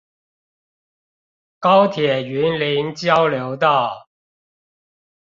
高鐵雲林交流道